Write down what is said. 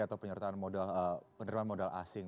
atau penyertaan modal asing